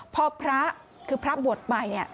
พอพระคือพระบวชใหม่